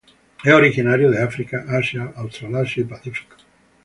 Es originario de África, Asia, Australasia y Pacífico.